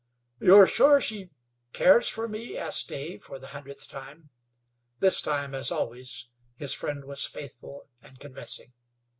"You're sure she cares for me?" asked Dave, for the hundredth time. This time, as always, his friend was faithful and convincing.